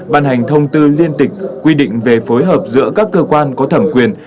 ban hành thông tư liên tịch quy định về phối hợp giữa các cơ quan có thẩm quyền